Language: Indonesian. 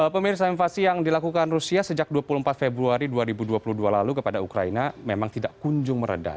pemirsa invasi yang dilakukan rusia sejak dua puluh empat februari dua ribu dua puluh dua lalu kepada ukraina memang tidak kunjung meredah